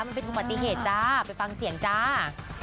มันเป็นอุบัติเหตุจ้าไปฟังเสียงจ้า